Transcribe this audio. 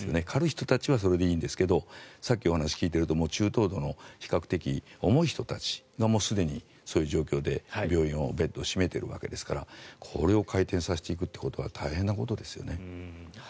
軽い人たちはそれでいいんですがさっきお話を聞いていると中等度の比較的重い人たちがすでにそういう状況で病院のベッドを占めているわけですからこれを回転させていくというのは大変なことですよね。